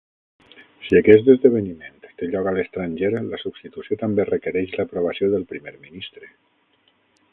Si aquest esdeveniment té lloc a l'estranger, la substitució també requereix l'aprovació del primer ministre.